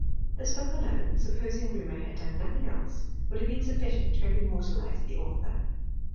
This book alone, supposing Reaumur had done nothing else, would have been sufficient to have immortalized the author.